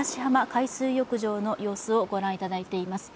海水浴場の様子をご覧いただいています。